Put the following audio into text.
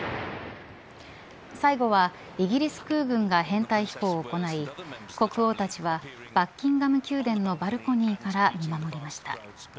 最後はイギリス空軍が編隊飛行を行い国王たちはバッキンガム宮殿のバルコニーから見守りました。